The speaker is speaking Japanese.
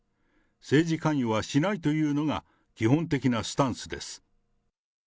政治関与はしないというのが基本的なスタンスです。